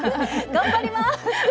頑張ります！